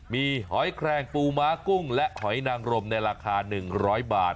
มีหอยแครงปูม้ากุ้งและหอยนางรมในราคา๑๐๐บาท